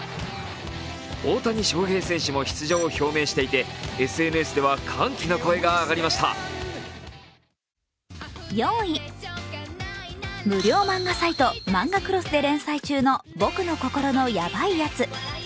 大谷翔平選手も出場を表明していてＳＮＳでは歓喜の声が上がりました無料漫画サイト・マンガクロスで連載中の「僕の心のヤバイやつ」。